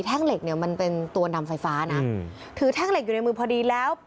เหล็กเนี่ยมันเป็นตัวนำไฟฟ้านะถือแท่งเหล็กอยู่ในมือพอดีแล้ว